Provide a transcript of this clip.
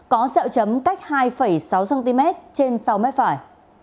có xeo chấm cách hai sáu cm trên sáu mét phải